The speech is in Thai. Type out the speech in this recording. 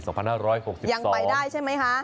ยังไปได้ใช่ไหมคะ